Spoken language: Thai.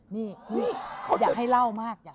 นี่อยากให้เล่ามาก